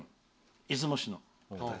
出雲市の。